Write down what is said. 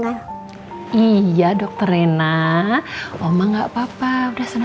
seandainya kamu nggak semangat bisa nzu definesterya